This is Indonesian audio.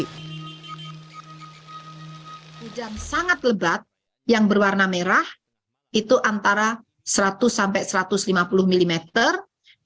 hujan sangat lebat yang berwarna merah itu antara seratus sampai satu ratus lima puluh mm